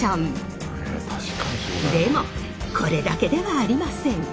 でもこれだけではありません。